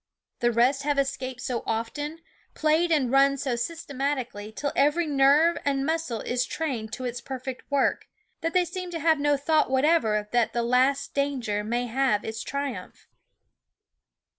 The rest have escaped so often, played and run so systematically till every nerve and muscle is trained to its perfect work, that they seem to have no thought whatever that the ]ast Danger may have its triumph.